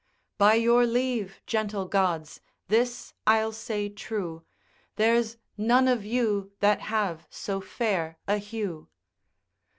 By your leave gentle Gods, this I'll say true, There's none of you that have so fair a hue.